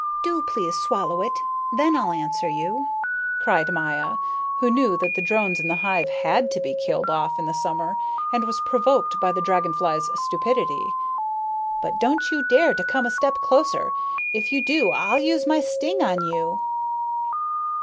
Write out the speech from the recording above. "Do please swallow it. Then I'll answer you," cried Maya, who knew that the drones in the hive had to be killed off in the summer, and was provoked by the dragon fly's stupidity. "But don't you dare to come a step closer. If you do I'll use my sting on you."